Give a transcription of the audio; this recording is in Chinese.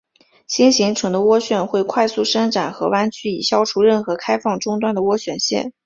新形成的涡旋会快速伸展和弯曲以消除任何开放终端的涡旋线。